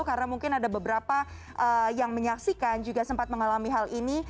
karena mungkin ada beberapa yang menyaksikan juga sempat mengalami hal ini